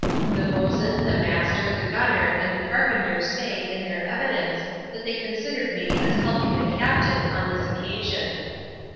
The boatswain, the master, the gunner, and the carpenter say, in their evidence, that they considered me as helping the captain on this occasion.